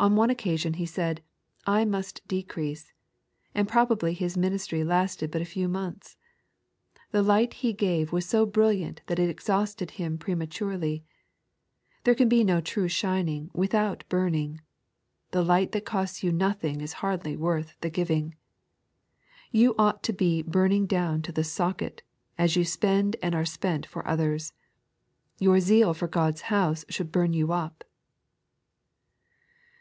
On one occasion he said, " I must decrease "; and probably his ministry lasted but a few months. The light he gave was so brilliant that it exhausted him prematurely. There can bo no true shining without burning. The light that costs you nothing is hardly worth the giving. You ought to be burning down to the socket, as you spend and are spent for others. Your zeal for God's house should bum you up.